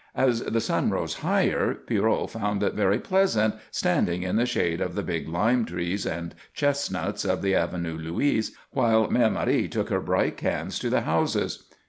As the sun rose higher Pierrot found it very pleasant standing in the shade of the big lime trees and chestnuts of the Avenue Louise while Mère Marie took her bright cans to the houses.